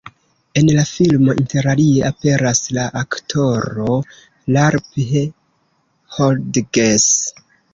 En la filmo interalie aperas la aktoro Ralph Hodges.